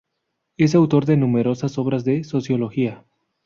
Es autor de numerosas obras de sociología.